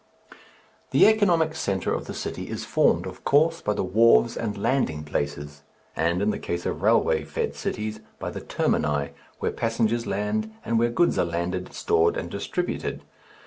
The economic centre of the city is formed, of course, by the wharves and landing places and in the case of railway fed cities by the termini where passengers land and where goods are landed, stored, and distributed.